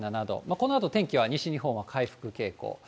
このあと天気は西日本は回復傾向。